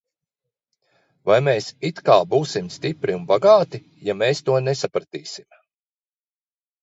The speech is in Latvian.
Vai mēs it kā būsim stipri un bagāti, ja mēs to nesapratīsim?